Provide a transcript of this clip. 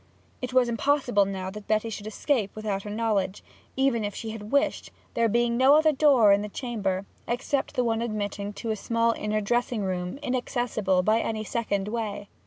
It was impossible now that Betty should escape without her knowledge, even if she had wished, there being no other door to the chamber, except one admitting to a small inner dressing room inaccessible by any second way.